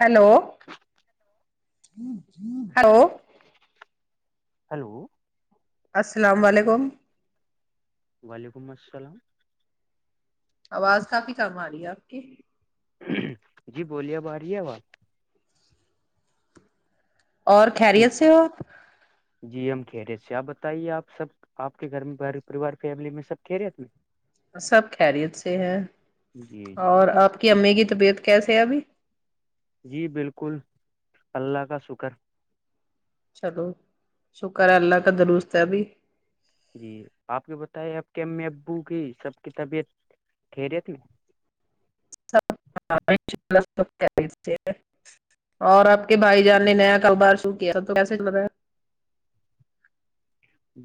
Hello hello hello السلام وعلیکم وعلیکم السلام آواز کافی کم آ رہی ہے آپ کی جی بولیے آب آ رہی ہے آواز اور خیریت سے ہو جی ہم خیریت سے ہے آپ بتائیے آپ سب آپ کے گھر میں گھر پریوار فیملی میں سب خیریت سب خیریت سے ہے جی جی اور آپ کی امی کی طبیعت کیسے ہے ابھی جی بالکل اللہ کا شکر چلو شکر ہے اللہ کا درست ہے ابھی جی آپ کے بتائے آپ کے امی ابو کی سب کی طبیعت خیریت ہے ہاں انشاءاللہ سب خیریت سے ہیں اور آپ کے بھائی جان نے جی نیا جی کاروبار شوٹ سب تو وسے پتا ہے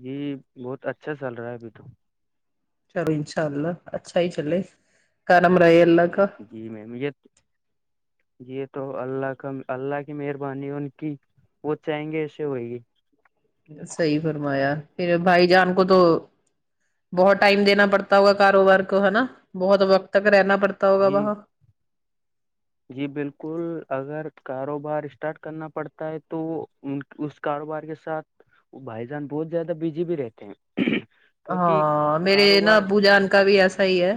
جی بہت اچھا چل رہا ہے ابھی تو چلو انشاء اللہ اچھا ہی چلے کرم رہے اللہ کا جی میم یہ یہ تو اللہ کا اللہ کی مہربانی ان کی وہ چاہیں گے ایسے ہوئے گی صحیح فرمایا پھر بھائی جان کو تو بہت ٹائم دینا پڑتا ہوگا کاروبار کو ہے بہت وقت تک رہنا پڑتا ہوگا جی وہاں جی بالکل اگر کاروبار اسٹارٹ کرنا پڑتا ہے تو وہ ان اس کاروبار کے ساتھ وہ بھائی جان بہت زیادہ بزی بھی رہتے ہیں کیونکہ ہاں میرے نا کاروبار ابو جان کا بھی ایسا ہی ہے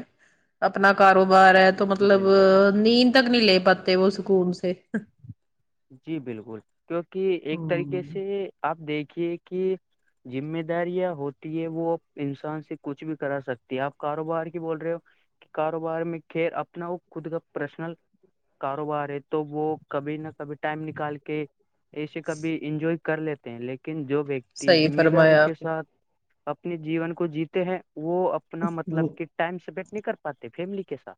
اپنا کاروبار ہے تو جی مطلب بالکل نیند تک نہیں لے پاتے وہ سکون سے جی بالکل کیونکہ ایک طریقے سے آپ دیکھیے کہ ذمہ داریاں ہوتی ہے وہ انسان سے کچھ بھی کرا سکتی ہے آپ کاروبار کی بول رہے ہو کاروبار میں خیر اپنا وہ خود کا پرسنل کاروبار ہے تو وہ کبھی نہ کبھی ٹائم نکال کے ایسے کبھی انجوائے کر لیتے ہیں لیکن جو و صحیح ذمہ داری فرمایا کے آپ ساتھ اپنے جیون کو جیتے ہیں وہ اپنا مطلب نے، کہ ٹائم سپینڈ نہیں کر پاتے فیملی کے سھ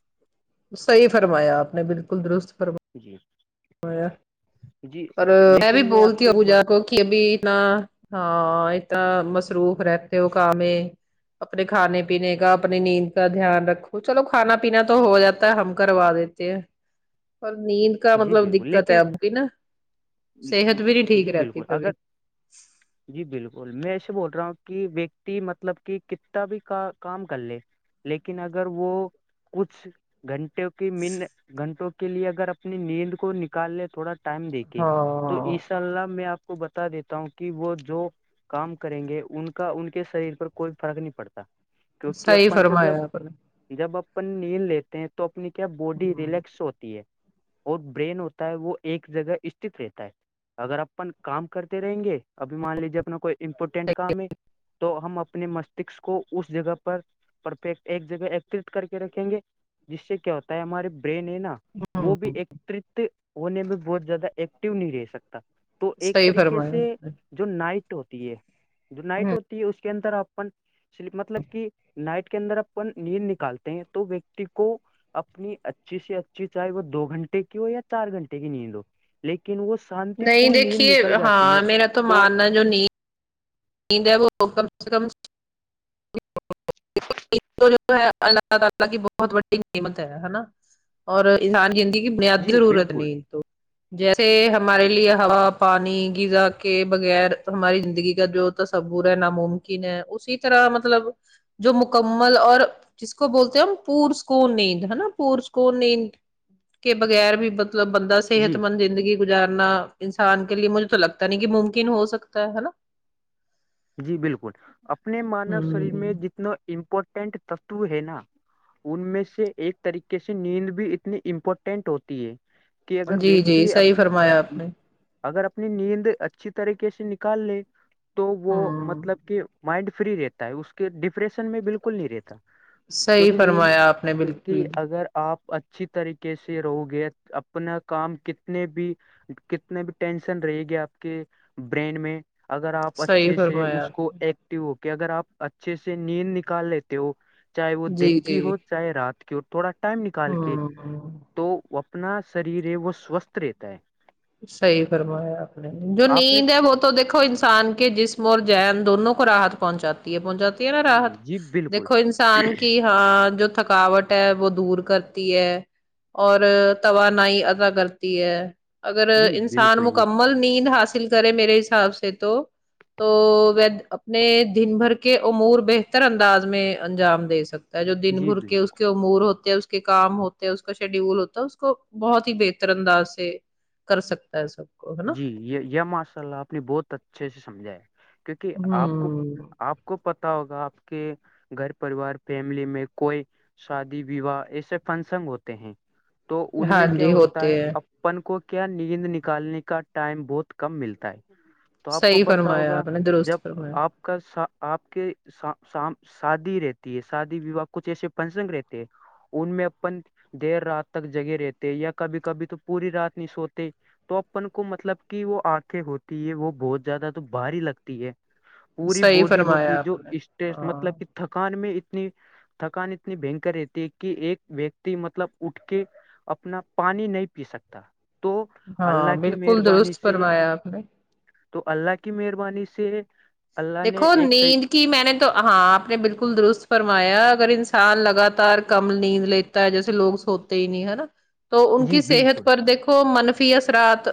صحیح فرمایا آپ نے بالکل درست فرمایا جی جی اور میں بھی لیکن آپ بولتی سے ہوں ایک ابوجا بات کو کہ ابھی اتنا ہاں اتنا مصروف رہتے ہو کام میں اپنے کھانے پینے کا اپنی نیند کا دھیان رکھو چلو کھانا پینا تو ہو جاتا ہے ہم کروا دیتے اور نیند کا جی مطلب بالکل دقت ہے لیکن اب کی نا صحت بھی نہیں ٹھیک جی رہتی بالکل اگر تبھی جی بالکل میں ایسے بول رہا ہوں کہ ویکتی مطلب کہ کتنا بھی کا کام کر لے لیکن اگر وہ کچھ گھنٹ کے من گھنٹوں کے لیے اگر اپنی نیند کو نکالنے تھوڑا ٹائم دیکھ تو ہاں عشاء اللہ میں آپ کو بتا دیتا ہوں کہ وہ جو کام کریں گے ان کا ان کے شریر پر کوئی فرق نہیں پڑتا کیونکہ صحیح اپن کو جب فرمایا آپ نے جب اپن نیند لیتے ہیں تو اپنی کیا باڈی ریلیکس ہوتی ہے اور برین ہوتا ہے وہ ایک جگہ استت رہتا ہے اگر اپن کام کرتے رہیں گے ابھی مان لیجیے اپنا کوئی امپورٹینٹ کام ہے تو ہم اپنے مستشک کو اس جگہ پر پرفیکٹ ایک جگہ ایکترت کر کے رکھیں گے جس سے کیا ہوتا ہے ہمارے برین ہے نا وہ بھی ایک ہونے میں بہت زیادہ ایکٹو نہیں رہ سکتا تو ایک صحیح طریقے فرمایا سے آپ نے جو نائٹ ہوتی ہے جو نائٹ ہوں ہوتی ہے اس کے اندر آپن مطلب کہ نائٹ کے اندر اپن نیل نکالتے ہیں تو ویکتی کو اپنی اچھی سے اچھی چاہے وہ دو گھنٹے کی ہو یا چار گھنٹے کی نیند ہو لیکن وہ شانتی نہیں پورن نید دیکھیے نکل جاتی ہے ہاں میرا تو جو نہیں نہیںید وہ کم سے کم [inaudible] اور انسان زندگی کی بنیادی جی ضرورت بالکل نہیں تو جیسے ہمارے لیے ہا پانی غذا کے بغیر ہماری زندگی کا جو تصور ہے ن ممکن ہے اسی طرح مطلب جو مکمل اور جس کو بولتے ہیں ہم پورس کو نیند ہے نا پورسک نیند کے بغیر بھی مطلب بندہ صحت جی مند زندگی گزارنا انسان کے لیے مجھے تو لگتا نہیں کہ ممکن ہو سکتا ہے نا جی بالکل اپنے مانو شریر میں ہوں جتنا امپورٹنٹ تتو ہے نا ان میں سے ایک طریقے سے نیند بھی اتنی امپورٹنٹ ہوتی ہے کہ اگر جی جی ویکتی صحیح اپنی فرمایا آپ نے اگر اپنی نیند اچھی طریقے سے نکال لے تو وہ ہوں مطلب کہ مائنڈ فری رہتا ہے اس کے ڈپریشن میں بالکل نہیں رہتا صحیح کیونکہ نیند فرمایا آپ نے اس کی بالکل اگر آپ اچھی طریقے سے رہو گے اپنا کام کتنے بھی کتنے بھی ٹینشن رہے گی آپ کے برین میں اگر آپ صحیح اچھے سے فرمایا اس کو اک ایکٹو ہو کہ اگر آپ اچھے سے نیند نکال لیتے ہو چاہے وہ دن جی جی کی ہو چاہے رات کی ہو تھوڑا ٹائم نکال کے ہوں تو واپ اپنا شریر ہے وہ سوستھ رہتا ہے صحیح فرمایا آپ نے جو آپ نے نیند ہے وہ تو دیکو انسان کے جسم اور زہن دونوں راحت پہنچاتی ہے پہنچاتی ہے نا راحت جی جی بالکل دیکھو انسان کی ہاں جو تھکاوٹ ہے وہ دور کرتی ہے اور توانائی ادا کرتی ہے اگر جی انسان بالکل یہ مکمل نیند حاصل کرے میرے حساب سے تو تو وے اپنے دن بھر کے امور بہتر انداز میں انجام دے سکت جو دن جی بھر کے اس بالکل کے امور ہوتے ہے اس کے کام ہوتے ہیں اس کا شیڈول ہوتا ہے اس کو بہت ہی بہتر انداز سے کر سکتا ہے سب کو ہے نا جی یہ یہ ماشاء اللہ آپ نے بہت اچھے سے سمجھا ہے کیونکہ آپ کو ہوں آپ کو پتا ہوگا آپ کے گھر پریوار فیملی میں کوئی شادی ویواہ ایسے فنشن ہوتے ہیں تو ان ہاں میں کیا جی ہوتا ہوتے ہے ہیں اب اپن کو کیا نیند نکالنے کا ٹائم بہت کم ملتا ہے تو آپ کو صحیح پتا فرمایا ہوگا آپ نے جب درست فرمایا آپ کا سا آپ کے سا۔۔ سام شادی رہتی ہے شادی ویواہ کچھ ایسے فنسن رہتے ہیں ان میں اپن دیر رات تک جگے رہتے یا کبھی کبھی تو پوری رات نہیں سوتے تو اپن کو مطلب کی وہ آنکھیں ہوتی ہے وہ بہت زیادہ تو بھاری لگتی ہے پوری صحیح باڈی ہوتی فرمایا ہے آپ جو نے اسٹرس ہاں مطلب کہ تھکان میں اتنی تھکان اتنی بھینکر رہتی ہے کہ ایک ویکتی مطلب اٹھ کے اپنا پانی نہیں پی سکتا تو ہاں اللہ کی بالکل مہربانی درست سے فرمایا آپ نے تو اللہ کی مہربانی سے اللہ نے دیکھو ایک طی... نیند کی میں نے تو ہاں آپ نے بالکل درست فرمایا اگر انسان لگاتار کم نیند لے تا ہے جیسے لوگ سوتے ہی نہیں ہے نا تو ان جی کی صحت بالکل پر دیکھو کو منفی اثرات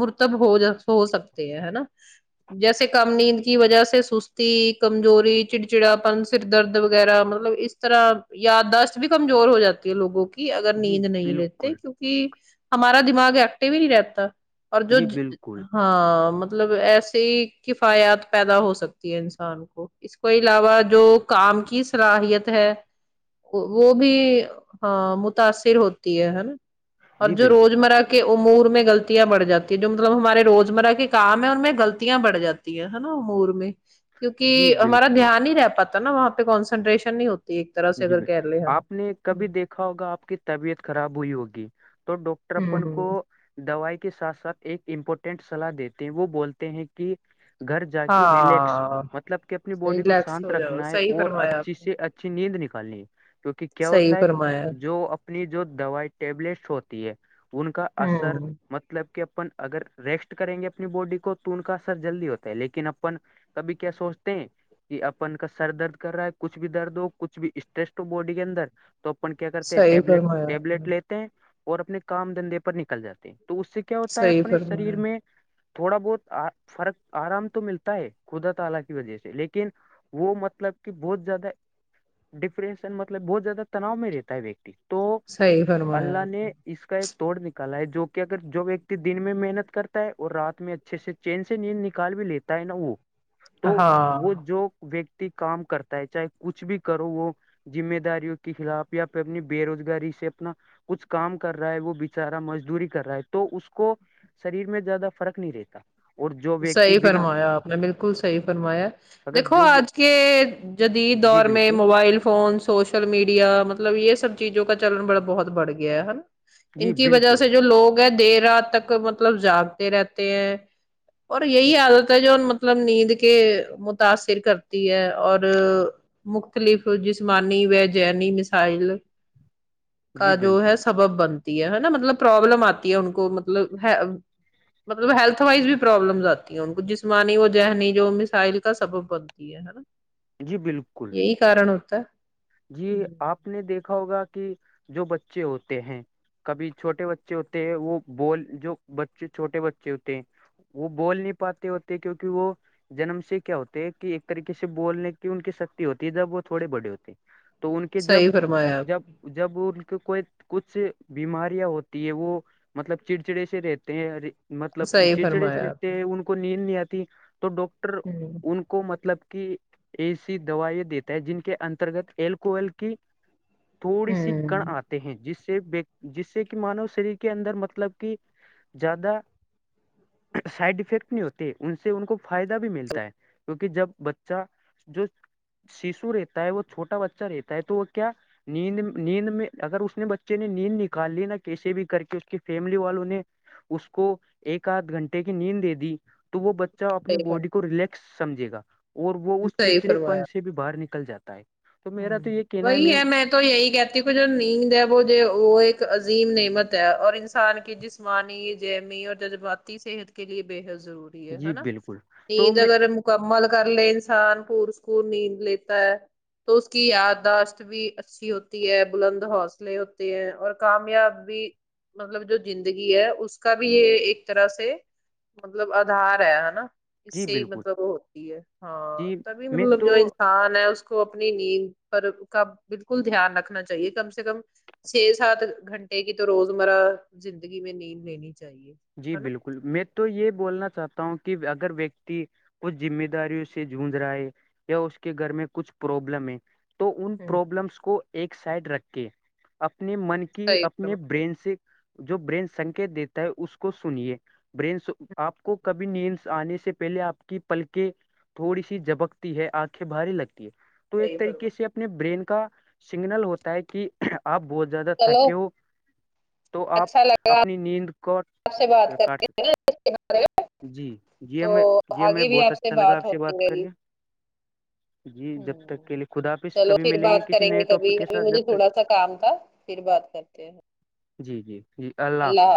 مرتب ہو ہو سکتے ہیں نا جیسے کم نیند کی وجہ سے سستی کمزوری چڑ چڑاپن سر درد وغیرہ مطلب اس طرح یاداشت بھی کمزور ہو جاتی ہے لوگوں کی اگر جی نیند نہیں لیتے بالکل کیو کی ہمارا دماغ ایکٹو ہی نہیں رہتا اور جو جی بالکل ہاں مطلب ایسے ہی کفایات پیدا ہو سکت تی انسان کو اس کو علاوہ جو کام کی صلاحیت ہے وہ بھی ہاں متاثر ہوتی ہے ہے نا اور جی جو بالکل روز مرہ کے امور میں غلطیاں بڑھ جاتی ہے جو مطلب ہمارے روزمرہ کے کام ہے ان میں غلطیاں بڑھ جا تی ہے نا امور میں جی کیونکی ہمارا بالکل دھیان نہیں رہ پاتا ہے نا وہاں پہ کانسنٹریشن نہیں ہوتا جی بھائی آپ نے کبھی دی کھا ہوگا آپ کی طبیعت خراب ہوئی ہوگی تو ڈاکٹر اپن ہوں کو دوائی کے ساتھ ساتھ ایک امپورٹنٹ صلاح دیتے ہیں وہ بولتے ہیں کہ گھر جا کے ریلیکس ہاں مطلب کہ اپنی باڈی کو ریلیکس شانت ہو جاؤ رکھنا ہے صحیح اور فرمایا اچھی آپ نے سے اچ ھی نیند نکالنی ہے کیونکہ کیا صحیح ہوتا ہے فرمایا جو اپ نی جو دوائی ٹیبلیٹس ہوتی ہے ان کا اثر ہوں مطلب کہ اپن اگر ریسٹ کریں گے اپنی باڈی کو تو ان کا اثر جلدی ہوتا ہے لیکن اپن کبھی کیا سوچتے ہیں کہ اپن کا سر درد کر رہا ہے کچھ بھی درد ہو کچھ بھی اسٹریسٹ ہو باڈی کے اندر تو اپن کیا کرتے ہیں صحیح ٹیبلیٹ فرمایا آپ نے ٹیبلیٹ لی تے اور اپنے کام دھندے پر نکل جاتے ہیں تو اس سے کیا ہوتا ہے صحیح اپنے شریر فرمایا میں تھوڑا بہت ا فرق آرام تو ملتا ہے خدا تعالی کی وجہ سے لیکن وہ مطلب کہ بہت زیادہ ڈپرینشن مطلب بہت زیادہ تناؤ میں رہتا ہے ویکتی تو صحیح فرمایا اللہ آپ نے اس کا ایک توڑ نکالا ہے جو کہ اگر جو ویکتی دن میں محنت کرتا ہے اور رات میں اچھے سے چین سے نیند نکال بھی لیتا ہے نا وہ تو وہ ہاں جو ویکتی کام کرتا ہے چاہے کچھ بھی کرو وہ ذمہ داریوں کے خلاف یا پھر اپنی بے روزگاری سے اپنا کچھ کام کر رہا ہے وہ بچارا مزدوری کر رہا ہے تو اس کو شریر میں زیادہ فرق نہیں رہتا اور جو ویکتی صحیح بنا فرمایا آپ نے بالکل صحیح فرمایا اگر دیکھو جو آج کے جدید جی دور میں بالکل موبائل فون سوشل میڈیا مطلب یہ سب چیزوں کا چلن بڑا بہت بڑھ گیا ہے نا جی ان کی وجہ بالکل سے جو لوگ ہیں دیر رات تک مطلب جاگتے رہتے ہیں اور یہی عادت ہے جو مطلب نیند کے متاثر کرتی ہے اور مختلف جسمانی و ذہنی مسائل جی کا جو ہے بالکل سبب بن تی ہے نا مطلب پرابلم آتی ہے ان کو مطلب ہ مطلب ہیلتھ وائز بھی پرابلمس آتی ہیں ان کو جسمانی و ذہنی جو مسائل کا سبب بنتی ہے نا جی بالکل یہی کارن ہوتا ہے جی آپ نے دیکھا ہوگا کہ جو بچے ہوتے ہیں کبھی چھوٹے بچے ہوتے ہیں وہ بول جو بچے چھوٹے بچے ہوتے ہیں وہ بول نہیں پاتے ہوتے کیونکہ وہ جنم سے کیا ہوتے ہیں کہ ایک طریقے سے بولنے کی ان کی شکتی ہوتی ہے جب وہ تھوڑے بڑے ہوتے تو ان کے جب صحیح فرمایا آپ جب نے جب ان کے کوئی کچھ بیماریاں ہوتی ہے وہ مطلب چڑچڑی سے رہتے ہیں ہر مطلب صحیح چچڑے سے فرمایا آپ رہتے نے ہیں ان کو نیند نہیں آتی تو ڈاکٹر ہوں ان کو مطلب کہ ایسی دوائی دیتا ہے جن کے انترگت اللکوہل کی تھوڑی سی ہوں [unintelligible] ہیں جس سے جس سے کہ مانو شریر کے اندر مطلب کہ زیادہ سائڈ افیکٹ نہیں ہوتے ان سے ان کو فائدہ بھی ملتا ہے کیونکہ جب بچہ جو ششو رہتا ہے وہ چھوٹا بچہ رہتا ہے تو وہ کیا نیند م نیند میں اگر اس نے بچے نے نیند نکال لی نا کیسے بھی کر کے اس کی فیملی والوں نے اس کو ایک آدھ گھنٹے کی نیند دے دی تو وہ بچہ اپنی صحیح فر باڈی کو ریلیکس سمجھے گا اور وہ اس صحیح چڑچڑے فرمایا پن سے بھی باہر نکل جاتا ہے تو میرا تو یہ کہنا وہی میم ہے میں تو یہی کہتی کہ جو نیند ہے وہ جو وہ ایک عظیم نعمت ہے اور انسان کی جسمانی جیمی اور جذباتی صحت کے لیے بے حد ضروری جی ہے بالکل تو نیند میں اگر مکمل کر لے انسان پور سکور نیند لیتا ہے تو اس کی یاداشت بھی اچھی ہوتی ہے بلند حوصلے ہوتے ہیں اور کامیاب بھی مطلب جو زندگی ہے اس کا بھی یہ ایک طرح سے مطلب آدھار ہے ہے نا اس جی سے ہی بالکل مطلب وہ ہوتی ہے ہاں جی تبھی میں مطلب جو تو انسان ہے اس کو اپنی نیند پر کا بالکل دھیان رکھنا چاہیے کم سے کم چھ سات گھنٹے کی تو روز مرہ زندگی میں نیند لینی چاہیے جی ہے نا بالکل میں تو یہ بولنا چاہتا ہوں کہ اگر ویکتی کچھ ذمہ داریوں سے جونج رہا ہے یا اس کے گھر میں کچھ پروابلم ہے تو ان ہوں پرابلمس کو ایک سائڈ رکھ کے اپنے من کہ صحیح اپنے فرما برین سے جو برین سنکیت دیتا ہے اس کو کو سنیے برین سے آپ کو کبھی نیندس آنے سے پہلے آپ کی پلکیں تھوڑی سی جھبکتی ہے آنکھیں بھاری لگتی ہے تو ایک صحیح فرما طریقے سے اپنے برین کا سگنل ہوتا ہے کہ آپ بہت زیادہ چلو تھکے ہو تو آپ اچھا لگا اپنی نیند کو آپ سے بات کر کاٹ کے سکتے ہے نا اس کے بارے میں جی جی تو ہمیں جی ہمیں آگے بھی بہت آپ اچھا لگا آپ سے بات کرنے امم چلو پھر ملیں بات کسی کریں گے نئے کبھی ٹاپک کے کبھی ساتھ جب مجھے تک تھوڑا سا کام تھا پھر بات کر کہ ہے جی جی جی اللہ حافظ